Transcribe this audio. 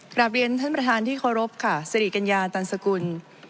กลับเรียนท่านประธานที่เคารพค่ะสิริกัญญาตันสกุล